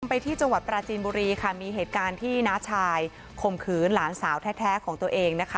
ไปที่จังหวัดปราจีนบุรีค่ะมีเหตุการณ์ที่น้าชายข่มขืนหลานสาวแท้ของตัวเองนะคะ